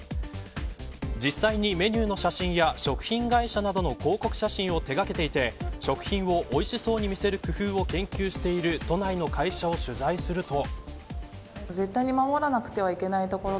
実際にメニューの写真や食品会社などの広告写真を手掛けていて食品をおいしそうに見せる工夫を研究している都内の会社を取材すると。